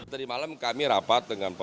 tadi malam kami rapat dengan